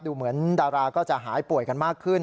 เหมือนดาราก็จะหายป่วยกันมากขึ้น